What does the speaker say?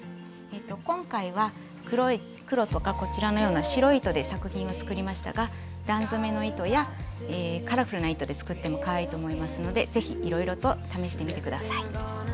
今回は黒とかこちらのような白い糸で作品を作りましたが段染めの糸やカラフルな糸で作ってもかわいいと思いますので是非いろいろと試してみて下さい。